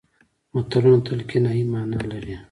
متلونه تل کنايي مانا لري